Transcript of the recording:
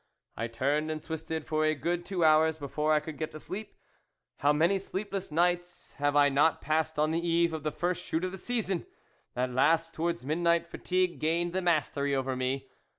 I turned and twisted for a good two hours before I could get to sleep. How many sleepless nights have I not passed on the eve of the first shoot of the season ! At last, towards midnight fatigue gained the mastery over me.